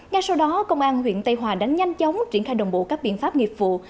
ngay sau đó công an huyện tây hòa đã nhanh chóng triển khai đồng bộ các biện pháp nghiệp vụ